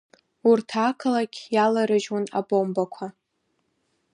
Урҭ ақалақь иаларыжьуан абомбақәа.